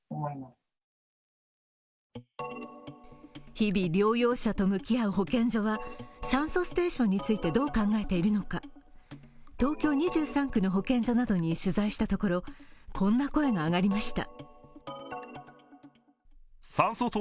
日々、療養者と向き合う保健所は酸素ステーションについてどう考えているのか東京２３区の保健所などに取材したところ、こんな声が上がりました。